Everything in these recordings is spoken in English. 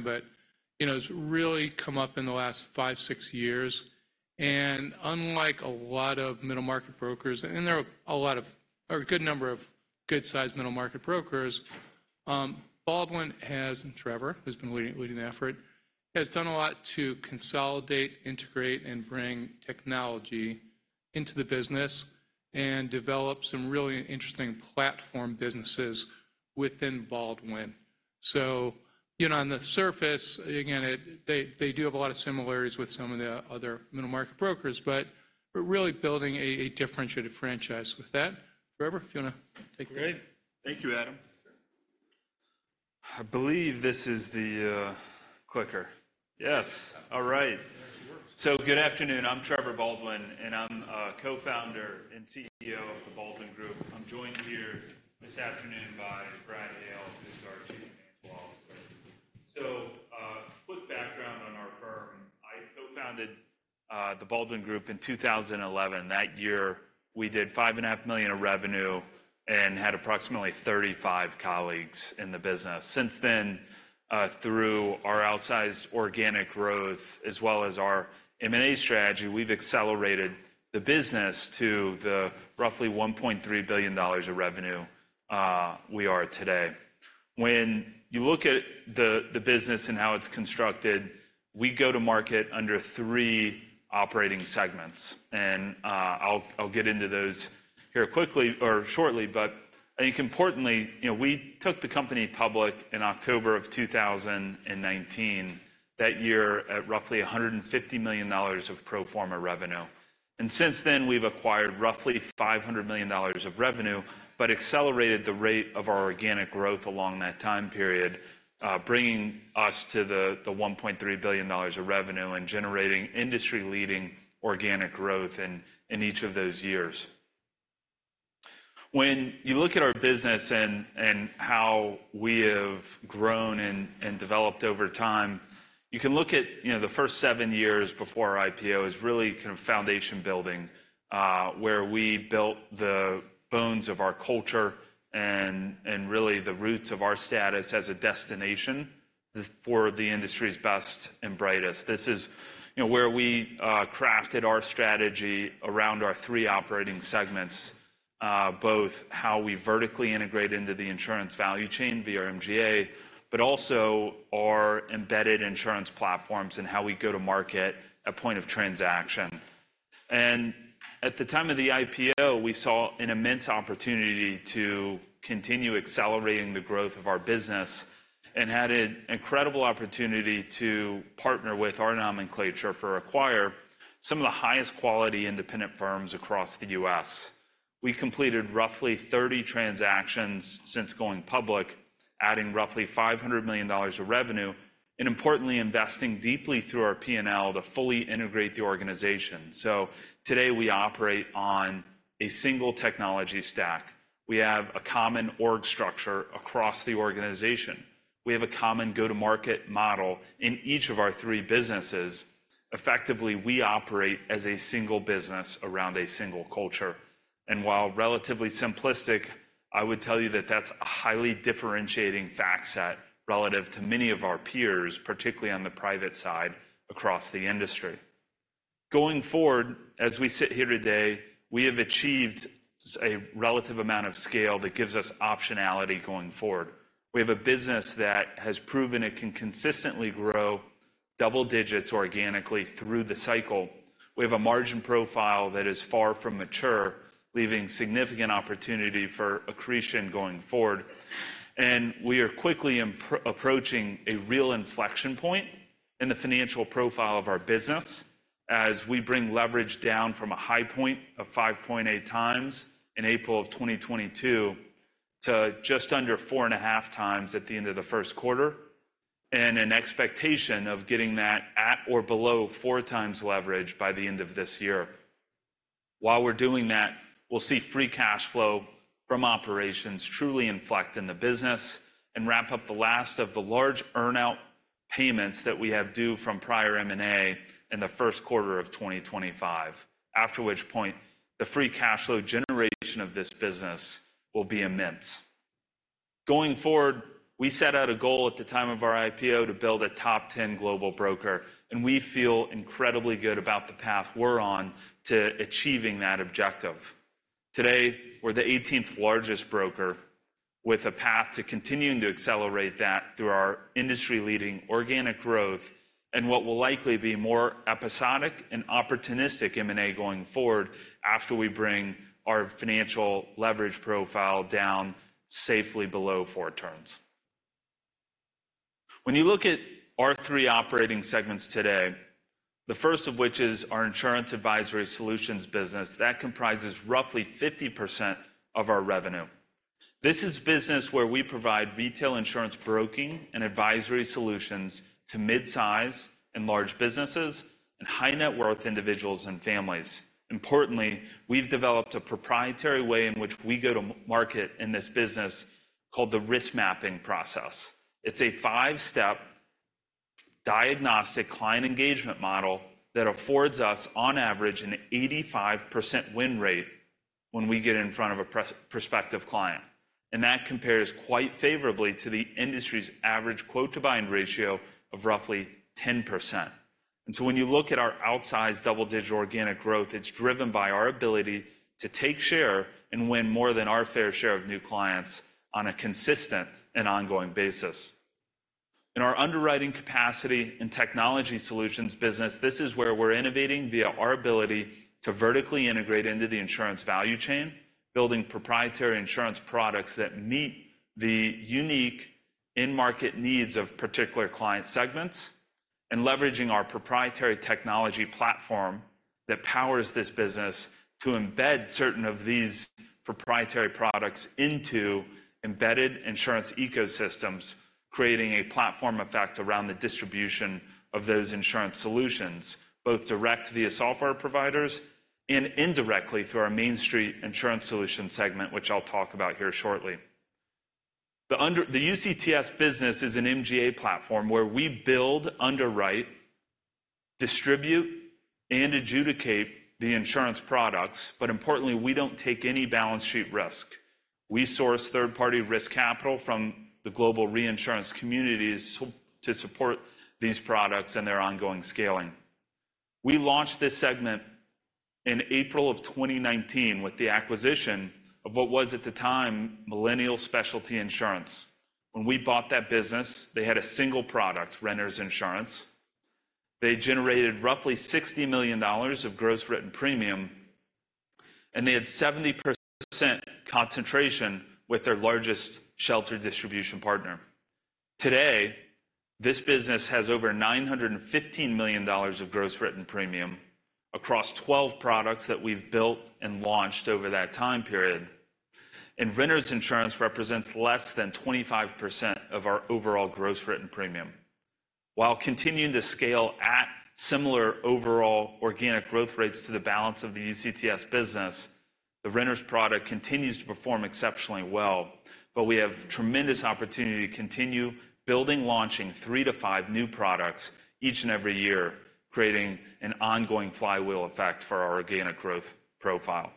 But, you know, it's really come up in the last 5-6 years. And unlike a lot of middle market brokers, and there are a lot of, or a good number of good-sized middle market brokers, Baldwin has, and Trevor, who's been leading the effort, has done a lot to consolidate, integrate, and bring technology into the business and develop some really interesting platform businesses within Baldwin. So, you know, on the surface, again, they, they do have a lot of similarities with some of the other middle market brokers, but we're really building a differentiated franchise. With that, Trevor, if you wanna take it away. Great. Thank you, Adam. I believe this is the clicker. Yes. All right. Good afternoon. I'm Trevor Baldwin, and I'm Co-founder and CEO of the Baldwin Group. I'm joined here this afternoon by Brad Hale, who's our Chief Financial Officer. Quick background on our firm. I co-founded the Baldwin Group in 2011. That year, we did $5.5 million of revenue and had approximately 35 colleagues in the business. Since then, through our outsized organic growth, as well as our M&A strategy, we've accelerated the business to the roughly $1.3 billion of revenue we are today. When you look at the business and how it's constructed, we go to market under three operating segments, and I'll get into those here quickly or shortly. But I think importantly, you know, we took the company public in October of 2019, that year at roughly $150 million of pro forma revenue. Since then, we've acquired roughly $500 million of revenue, but accelerated the rate of our organic growth along that time period, bringing us to the $1.3 billion of revenue and generating industry-leading organic growth in each of those years. When you look at our business and how we have grown and developed over time, you can look at, you know, the first seven years before our IPO as really kind of foundation building, where we built the bones of our culture and really the roots of our status as a destination for the industry's best and brightest. This is, you know, where we crafted our strategy around our three operating segments, both how we vertically integrate into the insurance value chain via MGA, but also our embedded insurance platforms and how we go to market at point of transaction. At the time of the IPO, we saw an immense opportunity to continue accelerating the growth of our business and had an incredible opportunity to partner with our name to acquire some of the highest quality independent firms across the U.S. We completed roughly 30 transactions since going public, adding roughly $500 million of revenue, and importantly, investing deeply through our P&L to fully integrate the organization. Today, we operate on a single technology stack. We have a common org structure across the organization. We have a common go-to-market model in each of our three businesses. Effectively, we operate as a single business around a single culture, and while relatively simplistic, I would tell you that that's a highly differentiating fact set relative to many of our peers, particularly on the private side across the industry. Going forward, as we sit here today, we have achieved a relative amount of scale that gives us optionality going forward. We have a business that has proven it can consistently grow double digits organically through the cycle. We have a margin profile that is far from mature, leaving significant opportunity for accretion going forward. We are quickly approaching a real inflection point in the financial profile of our business as we bring leverage down from a high point of 5.8x in April 2022 to just under 4.5x at the end of the first quarter, and an expectation of getting that at or below 4x leverage by the end of this year. While we're doing that, we'll see free cash flow from operations truly inflect in the business and wrap up the last of the large earn-out payments that we have due from prior M&A in the first quarter of 2025, after which point, the free cash flow generation of this business will be immense. Going forward, we set out a goal at the time of our IPO to build a top 10 global broker, and we feel incredibly good about the path we're on to achieving that objective. Today, we're the 18th largest broker, with a path to continuing to accelerate that through our industry-leading organic growth and what will likely be more episodic and opportunistic M&A going forward after we bring our financial leverage profile down safely below four turns. When you look at our three operating segments today, the first of which is our Insurance Advisory Solutions business, that comprises roughly 50% of our revenue. This is business where we provide retail insurance broking and advisory solutions to mid-size and large businesses and high-net-worth individuals and families. Importantly, we've developed a proprietary way in which we go to market in this business called the Risk Mapping process. It's a five step-... diagnostic client engagement model that affords us, on average, an 85% win rate when we get in front of a prospective client. And that compares quite favorably to the industry's average quote-to-bind ratio of roughly 10%. And so when you look at our outsized double-digit organic growth, it's driven by our ability to take share and win more than our fair share of new clients on a consistent and ongoing basis. In our Underwriting Capacity and Technology Solutions business, this is where we're innovating via our ability to vertically integrate into the insurance value chain, building proprietary insurance products that meet the unique in-market needs of particular client segments, and leveraging our proprietary technology platform that powers this business to embed certain of these proprietary products into embedded insurance ecosystems, creating a platform effect around the distribution of those insurance solutions, both direct via software providers and indirectly through our Main Street Insurance Solutions segment, which I'll talk about here shortly. The UCTS business is an MGA platform where we build, underwrite, distribute, and adjudicate the insurance products. But importantly, we don't take any balance sheet risk. We source third-party risk capital from the global reinsurance communities to support these products and their ongoing scaling. We launched this segment in April 2019 with the acquisition of what was at the time, Millennial Specialty Insurance. When we bought that business, they had a single product, renters Insurance. They generated roughly $60 million of Gross Written Premium, and they had 70% concentration with their largest shelter distribution partner. Today, this business has over $915 million of Gross Written Premium across 12 products that we've built and launched over that time period. And renters insurance represents less than 25% of our overall Gross Written Premium. While continuing to scale at similar overall organic growth rates to the balance of the UCTS business, the renters product continues to perform exceptionally well, but we have tremendous opportunity to continue building, launching 3-5 new products each and every year, creating an ongoing flywheel effect for our organic growth profile.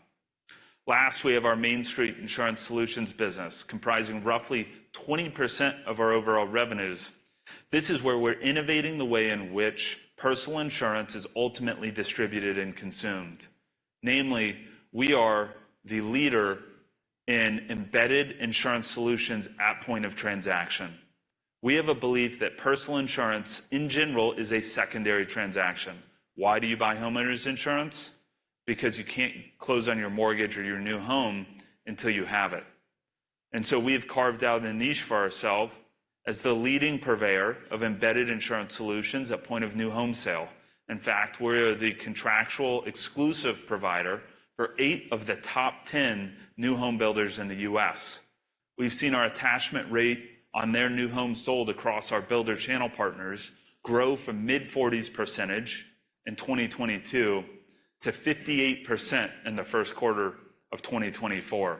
Last, we have our Main Street Insurance Solutions business, comprising roughly 20% of our overall revenues. This is where we're innovating the way in which personal insurance is ultimately distributed and consumed. Namely, we are the leader in embedded insurance solutions at point of transaction. We have a belief that personal insurance, in general, is a secondary transaction. Why do you buy homeowners insurance? Because you can't close on your mortgage or your new home until you have it. And so we have carved out a niche for ourself as the leading purveyor of embedded insurance solutions at point of new home sale. In fact, we're the contractual exclusive provider for eight of the top 10 new home builders in the U.S. We've seen our attachment rate on their new homes sold across our builder channel partners grow from mid-40s% in 2022 to 58% in the first quarter of 2024,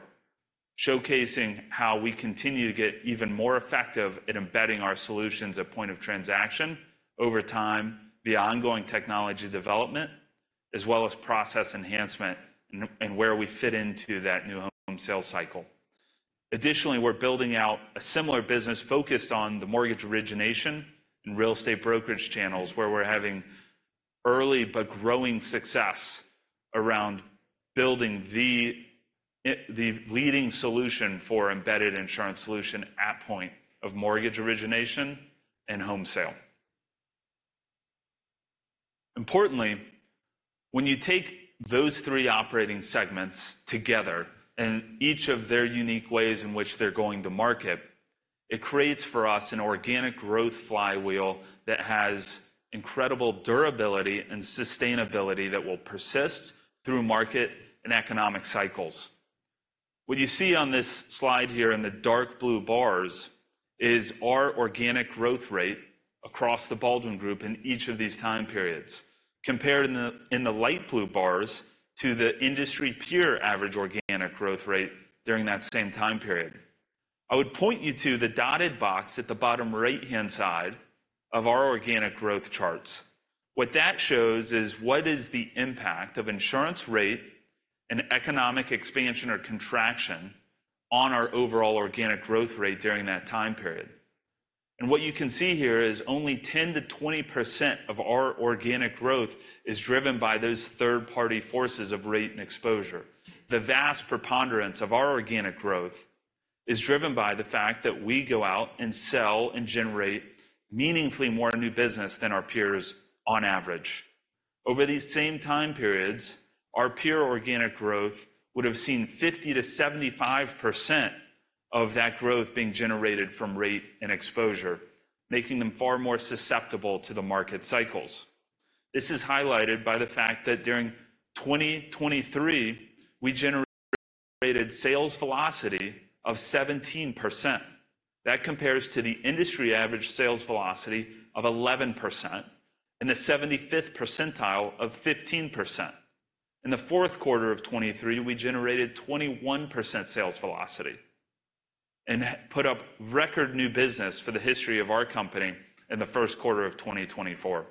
showcasing how we continue to get even more effective at embedding our solutions at point of transaction over time, via ongoing technology development, as well as process enhancement and where we fit into that new home sales cycle. Additionally, we're building out a similar business focused on the mortgage origination and real estate brokerage channels, where we're having early but growing success around building the leading solution for embedded insurance solution at point of mortgage origination and home sale. Importantly, when you take those three operating segments together and each of their unique ways in which they're going to market, it creates for us an organic growth flywheel that has incredible durability and sustainability that will persist through market and economic cycles. What you see on this slide here in the dark blue bars is our organic growth rate across the Baldwin Group in each of these time periods, compared in the light blue bars to the industry peer average organic growth rate during that same time period. I would point you to the dotted box at the bottom right-hand side of our organic growth charts. What that shows is what is the impact of insurance rate and economic expansion or contraction on our overall organic growth rate during that time period. What you can see here is only 10%-20% of our organic growth is driven by those third-party forces of rate and exposure. The vast preponderance of our organic growth is driven by the fact that we go out and sell and generate meaningfully more new business than our peers on average. Over these same time periods, our peer organic growth would have seen 50%-75% of that growth being generated from rate and exposure, making them far more susceptible to the market cycles. This is highlighted by the fact that during 2023, we generated sales velocity of 17%. That compares to the industry average sales velocity of 11% and the 75th percentile of 15%. In the fourth quarter of 2023, we generated 21% sales velocity. and put up record new business for the history of our company in the first quarter of 2024.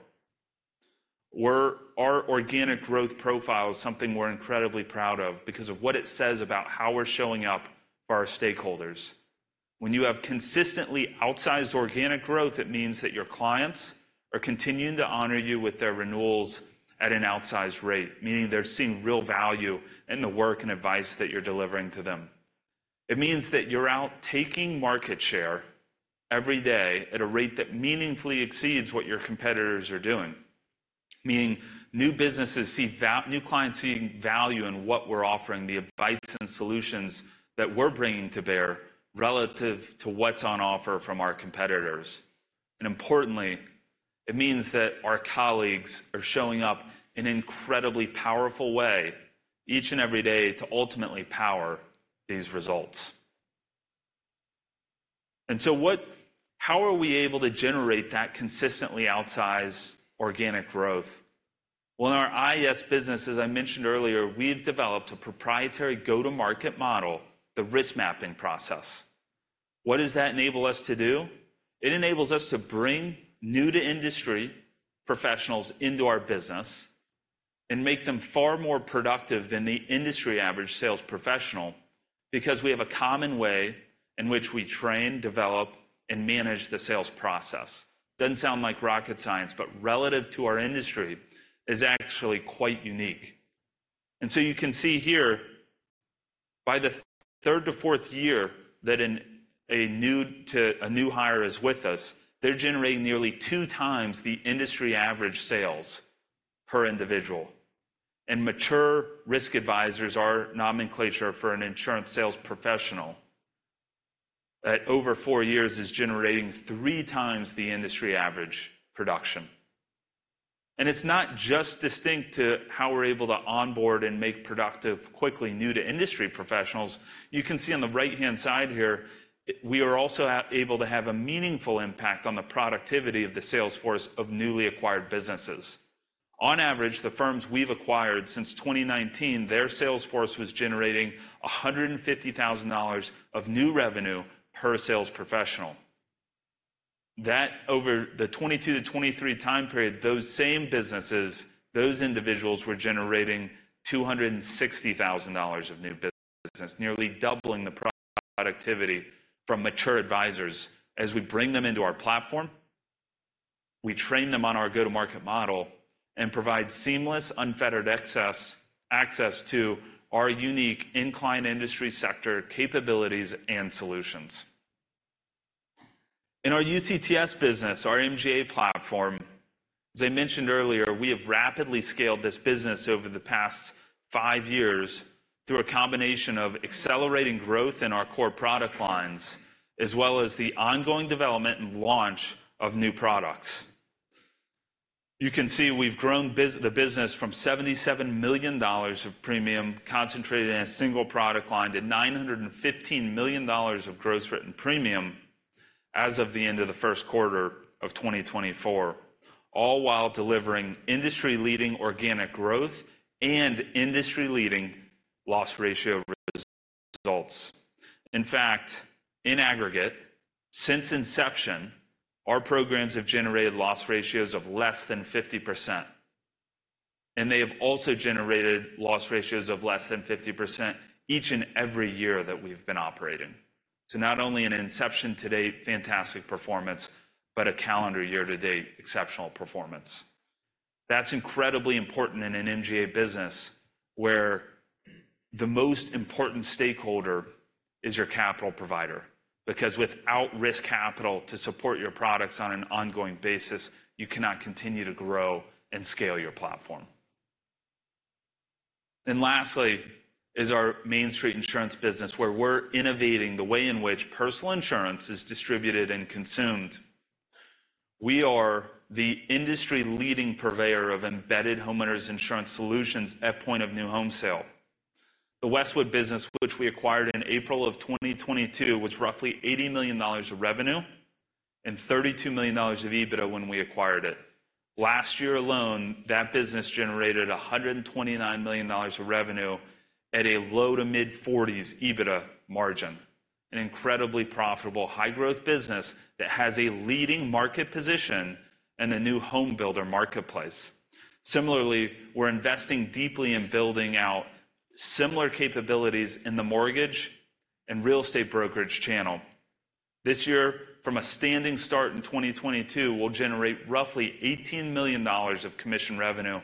Our organic growth profile is something we're incredibly proud of because of what it says about how we're showing up for our stakeholders. When you have consistently outsized organic growth, it means that your clients are continuing to honor you with their renewals at an outsized rate, meaning they're seeing real value in the work and advice that you're delivering to them. It means that you're out taking market share every day at a rate that meaningfully exceeds what your competitors are doing, meaning new clients seeing value in what we're offering, the advice and solutions that we're bringing to bear relative to what's on offer from our competitors. Importantly, it means that our colleagues are showing up in an incredibly powerful way, each and every day, to ultimately power these results. So, how are we able to generate that consistently outsized organic growth? Well, in our IAS business, as I mentioned earlier, we've developed a proprietary go-to-market model, the Risk Mapping process. What does that enable us to do? It enables us to bring new-to-industry professionals into our business and make them far more productive than the industry average sales professional because we have a common way in which we train, develop, and manage the sales process. Doesn't sound like rocket science, but relative to our industry, is actually quite unique. So you can see here, by the third to fourth year that a new hire is with us, they're generating nearly 2x the industry average sales per individual. Mature risk advisors, our nomenclature for an insurance sales professional, at over four years, is generating three times the industry average production. It's not just distinct to how we're able to onboard and make productive, quickly, new-to-industry professionals. You can see on the right-hand side here, we are also able to have a meaningful impact on the productivity of the sales force of newly acquired businesses. On average, the firms we've acquired since 2019, their sales force was generating $150,000 of new revenue per sales professional. That, over the 2022-2023 time period, those same businesses, those individuals, were generating $260,000 of new business, nearly doubling the productivity from mature advisors. As we bring them into our platform, we train them on our go-to-market model and provide seamless, unfettered access, access to our unique incline industry sector capabilities and solutions. In our UCTS business, our MGA platform, as I mentioned earlier, we have rapidly scaled this business over the past five years through a combination of accelerating growth in our core product lines, as well as the ongoing development and launch of new products. You can see we've grown the business from $77 million of premium concentrated in a single product line to $915 million of gross written premium as of the end of the first quarter of 2024, all while delivering industry-leading organic growth and industry-leading loss ratio results. In fact, in aggregate, since inception, our programs have generated loss ratios of less than 50%, and they have also generated loss ratios of less than 50% each and every year that we've been operating. So not only an inception-to-date fantastic performance, but a calendar year-to-date exceptional performance. That's incredibly important in an MGA business, where the most important stakeholder is your capital provider, because without risk capital to support your products on an ongoing basis, you cannot continue to grow and scale your platform. Then lastly is our Main Street insurance business, where we're innovating the way in which personal insurance is distributed and consumed. We are the industry-leading purveyor of embedded homeowners insurance solutions at point of new home sale. The Westwood business, which we acquired in April of 2022, was roughly $80 million of revenue and $32 million of EBITDA when we acquired it. Last year alone, that business generated $129 million of revenue at a low- to mid-40s% EBITDA margin, an incredibly profitable, high-growth business that has a leading market position in the new home builder marketplace. Similarly, we're investing deeply in building out similar capabilities in the mortgage and real estate brokerage channel. This year, from a standing start in 2022, we'll generate roughly $18 million of commission revenue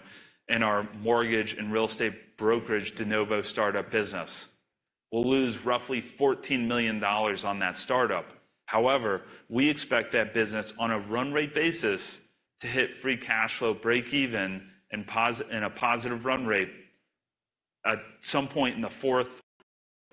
in our mortgage and real estate brokerage de novo startup business. We'll lose roughly $14 million on that startup. However, we expect that business, on a run rate basis, to hit free cash flow breakeven and positive run rate at some point in the fourth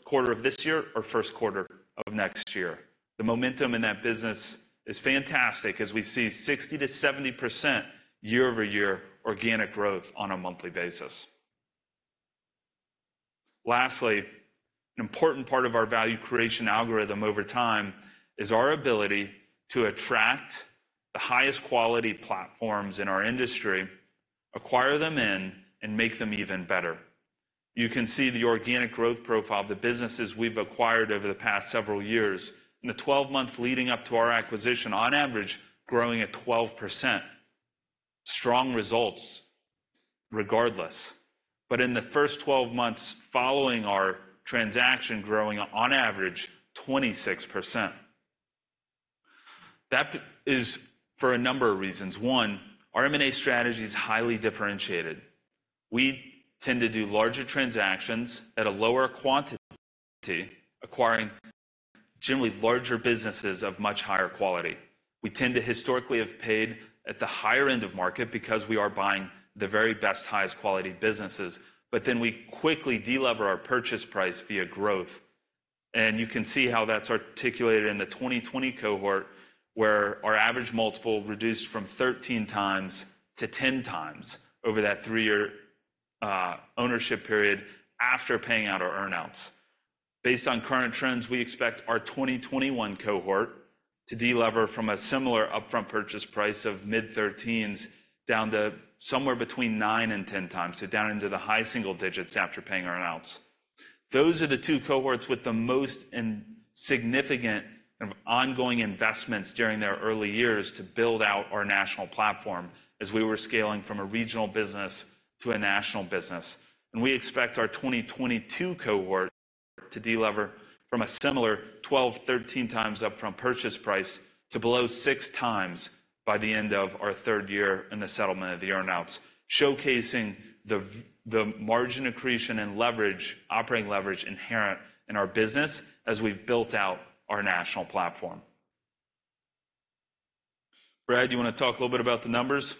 quarter of this year or first quarter of next year. The momentum in that business is fantastic as we see 60%-70% year-over-year organic growth on a monthly basis. Lastly, an important part of our value creation algorithm over time is our ability to attract the highest quality platforms in our industry, acquire them in, and make them even better... You can see the organic growth profile of the businesses we've acquired over the past several years. In the 12 months leading up to our acquisition, on average, growing at 12%. Strong results, regardless. But in the first 12 months following our transaction, growing on average, 26%. That is for a number of reasons. One, our M&A strategy is highly differentiated. We tend to do larger transactions at a lower quantity, acquiring generally larger businesses of much higher quality. We tend to historically have paid at the higher end of market because we are buying the very best, highest quality businesses, but then we quickly de-lever our purchase price via growth. And you can see how that's articulated in the 2020 cohort, where our average multiple reduced from 13x to 10x over that three-year ownership period after paying out our earn-outs. Based on current trends, we expect our 2021 cohort to de-lever from a similar upfront purchase price of mid-13s down to somewhere between 9x and 10x, so down into the high single digits after paying our earn-outs. Those are the two cohorts with the most and significant of ongoing investments during their early years to build out our national platform as we were scaling from a regional business to a national business. And we expect our 2022 cohort to de-lever from a similar 12x-13x upfront purchase price to below 6x by the end of our third year in the settlement of the earn-outs, showcasing the margin accretion and leverage, operating leverage inherent in our business as we've built out our national platform. Brad, do you want to talk a little bit about the numbers?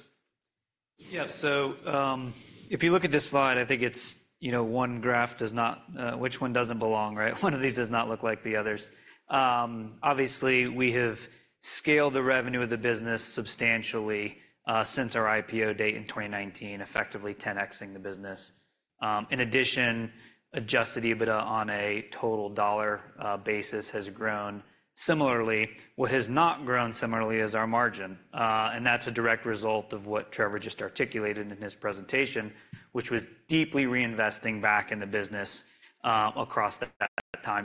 Yeah. So, if you look at this slide, I think it's, you know, one graph does not... which one doesn't belong, right? One of these does not look like the others. Obviously, we have scaled the revenue of the business substantially, since our IPO date in 2019, effectively 10x-ing the business. In addition, Adjusted EBITDA on a total dollar basis has grown similarly. What has not grown similarly is our margin, and that's a direct result of what Trevor just articulated in his presentation, which was deeply reinvesting back in the business, across that time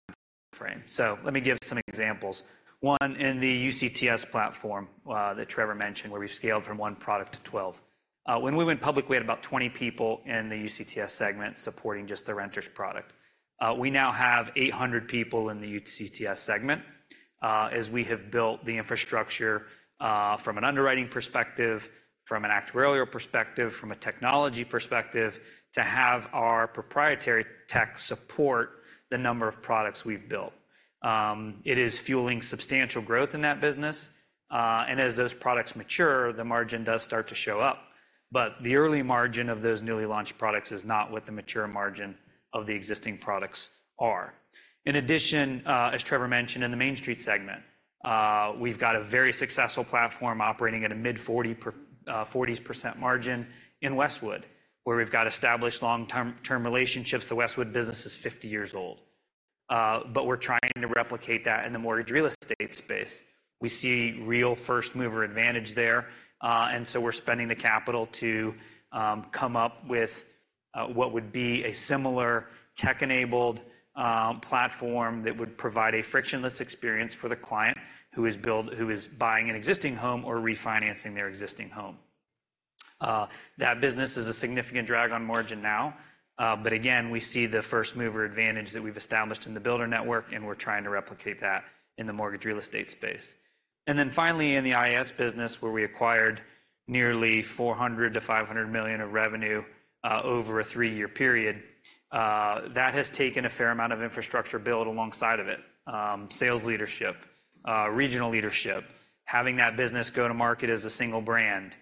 frame. So let me give some examples. One, in the UCTS platform, that Trevor mentioned, where we've scaled from one product to 12. When we went public, we had about 20 people in the UCTS segment supporting just the renter's product. We now have 800 people in the UCTS segment, as we have built the infrastructure, from an underwriting perspective, from an actuarial perspective, from a technology perspective, to have our proprietary tech support the number of products we've built. It is fueling substantial growth in that business, and as those products mature, the margin does start to show up. But the early margin of those newly launched products is not what the mature margin of the existing products are. In addition, as Trevor mentioned, in the Main Street segment, we've got a very successful platform operating at a mid-40s% margin in Westwood, where we've got established long-term relationships. The Westwood business is 50 years old. But we're trying to replicate that in the mortgage real estate space. We see real first mover advantage there, and so we're spending the capital to come up with what would be a similar tech-enabled platform that would provide a frictionless experience for the client who is buying an existing home or refinancing their existing home. That business is a significant drag on margin now, but again, we see the first mover advantage that we've established in the builder network, and we're trying to replicate that in the mortgage real estate space. Then finally, in the IAS business, where we acquired nearly $400 million-$500 million of revenue over a three-year period, that has taken a fair amount of infrastructure build alongside of it. Sales leadership, regional leadership, having that business go to market as a single brand,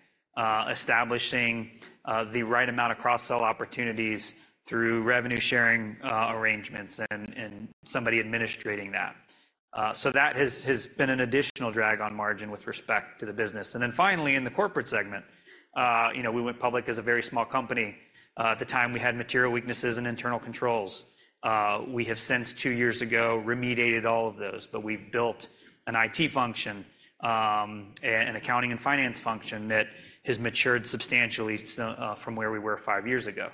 establishing the right amount of cross-sell opportunities through revenue sharing arrangements and somebody administrating that. So that has been an additional drag on margin with respect to the business. And then finally, in the corporate segment, you know, we went public as a very small company. At the time, we had material weaknesses in internal controls. We have since, two years ago, remediated all of those, but we've built an IT function and an accounting and finance function that has matured substantially from where we were five years ago.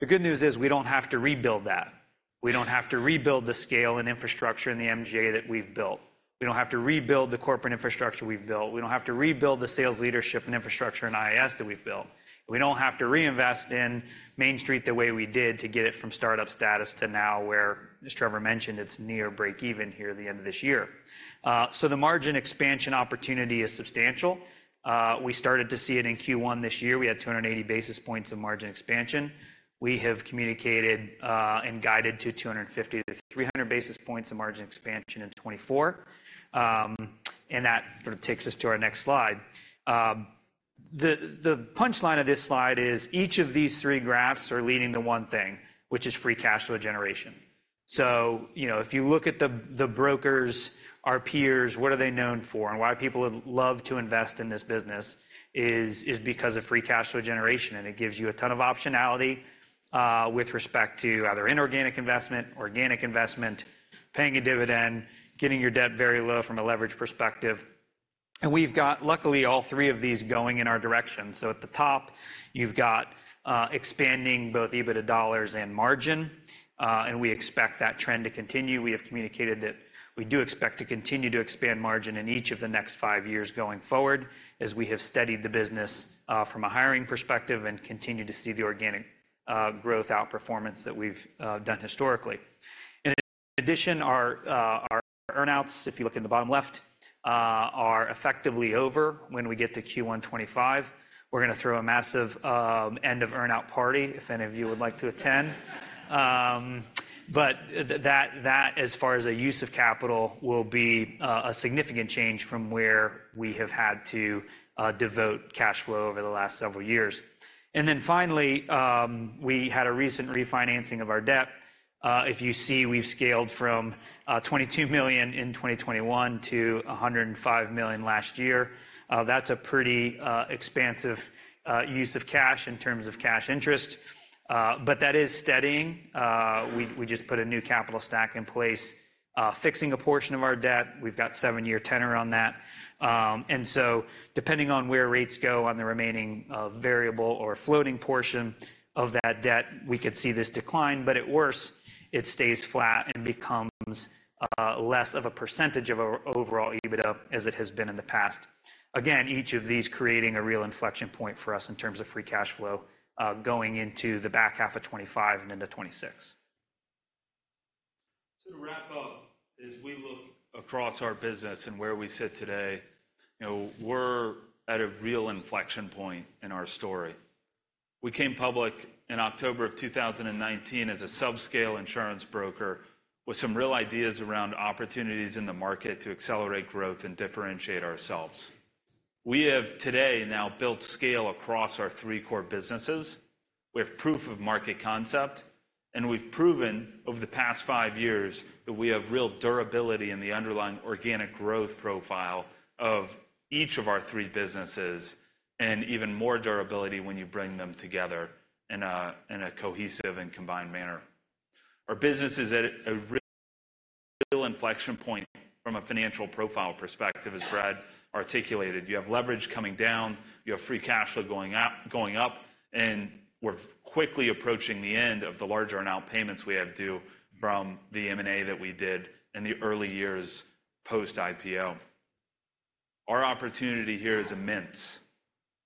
The good news is we don't have to rebuild that. We don't have to rebuild the scale and infrastructure in the MJ that we've built. We don't have to rebuild the corporate infrastructure we've built. We don't have to rebuild the sales leadership and infrastructure in IS that we've built. We don't have to reinvest in Main Street the way we did to get it from start-up status to now, where, as Trevor mentioned, it's near breakeven here at the end of this year. So the margin expansion opportunity is substantial. We started to see it in Q1 this year. We had 280 basis points of margin expansion. We have communicated and guided to 250-300 basis points of margin expansion in 2024. And that sort of takes us to our next slide. The punchline of this slide is each of these three graphs are leading to one thing, which is free cash flow generation. So, you know, if you look at the brokers, our peers, what are they known for? And why people would love to invest in this business is because of free cash flow generation, and it gives you a ton of optionality, with respect to either inorganic investment, organic investment, paying a dividend, getting your debt very low from a leverage perspective.... And we've got, luckily, all three of these going in our direction. So at the top, you've got, expanding both EBITDA dollars and margin, and we expect that trend to continue. We have communicated that we do expect to continue to expand margin in each of the next five years going forward, as we have steadied the business, from a hiring perspective and continue to see the organic growth outperformance that we've done historically. In addition, our earn-outs, if you look in the bottom left, are effectively over when we get to Q1 2025. We're gonna throw a massive end of earn-out party, if any of you would like to attend. But that, as far as a use of capital, will be a significant change from where we have had to devote cash flow over the last several years. And then finally, we had a recent refinancing of our debt. If you see, we've scaled from $22 million in 2021 to $105 million last year. That's a pretty expansive use of cash in terms of cash interest, but that is steadying. We just put a new capital stack in place, fixing a portion of our debt. We've got seven year tenor on that. and so depending on where rates go on the remaining variable or floating portion of that debt, we could see this decline, but at worst, it stays flat and becomes less of a percentage of our overall EBITDA as it has been in the past. Again, each of these creating a real inflection point for us in terms of free cash flow going into the back half of 2025 and into 2026. So to wrap up, as we look across our business and where we sit today, you know, we're at a real inflection point in our story. We came public in October of 2019 as a subscale insurance broker with some real ideas around opportunities in the market to accelerate growth and differentiate ourselves. We have today now built scale across our three core businesses. We have proof of market concept, and we've proven over the past five years that we have real durability in the underlying organic growth profile of each of our three businesses, and even more durability when you bring them together in a cohesive and combined manner. Our business is at a real inflection point from a financial profile perspective, as Brad articulated. You have leverage coming down, you have free cash flow going up, going up, and we're quickly approaching the end of the large earn-out payments we have due from the M&A that we did in the early years post-IPO. Our opportunity here is immense.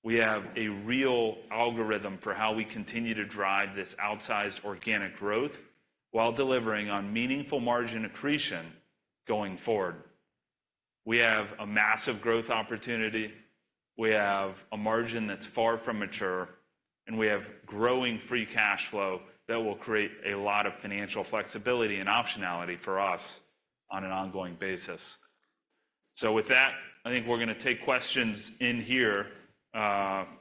We have a real algorithm for how we continue to drive this outsized organic growth while delivering on meaningful margin accretion going forward. We have a massive growth opportunity, we have a margin that's far from mature, and we have growing free cash flow that will create a lot of financial flexibility and optionality for us on an ongoing basis. So with that, I think we're gonna take questions in here,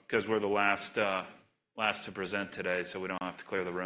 'cause we're the last last to present today, so we don't have to clear the room.